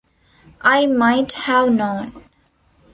I might have known.